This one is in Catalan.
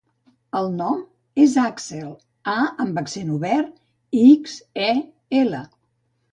El nom és Àxel: a amb accent obert, ics, e, ela.